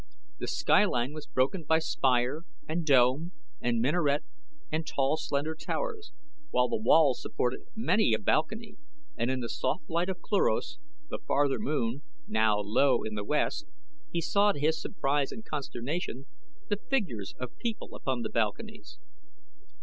The skyline was broken by spire and dome and minaret and tall, slender towers, while the walls supported many a balcony and in the soft light of Cluros, the farther moon, now low in the west, he saw, to his surprise and consternation, the figures of people upon the balconies.